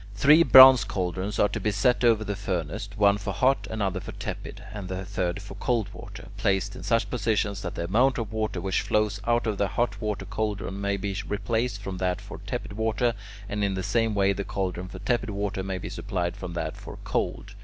Three bronze cauldrons are to be set over the furnace, one for hot, another for tepid, and the third for cold water, placed in such positions that the amount of water which flows out of the hot water cauldron may be replaced from that for tepid water, and in the same way the cauldron for tepid water may be supplied from that for cold.